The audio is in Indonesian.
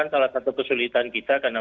salah satu kesulitan kita karena